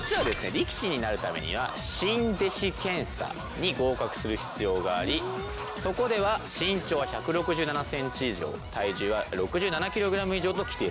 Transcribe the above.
力士になるためには新弟子検査に合格する必要がありそこでは身長は１６７ｃｍ以上体重は６７ｋｇ以上と規定されています。